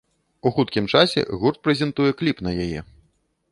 У хуткім часе гурт прэзентуе кліп на яе.